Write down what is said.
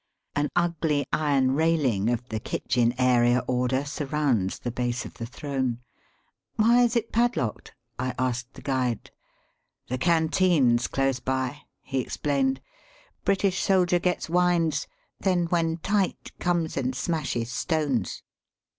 An ugly iron railing of the kitchen area order surrounds the base of the throne. "Why is it padlocked?"! asked the guide. "The canteen's close by," he explained; " British soldier gets wines, then when tight comes and smashes stones."